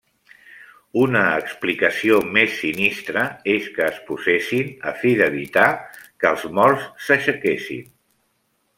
Una explicació més sinistra és que es posessin a fi d'evitar que els morts s'aixequessin.